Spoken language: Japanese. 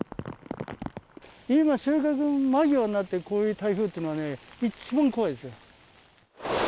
今収穫間際になって、こういう台風っていうのはね、一番怖いですよ。